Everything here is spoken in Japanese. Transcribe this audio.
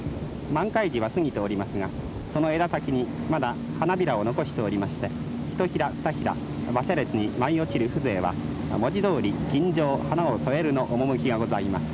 満開時は過ぎておりますがその枝先にまだ花びらを残しておりましてひとひらふたひら馬車列に舞い落ちる風情は文字どおり錦上花を添えるの趣がございます」。